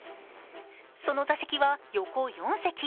その座席は、横４席。